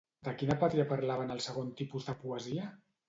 De quina pàtria parlava en el segon tipus de poesia?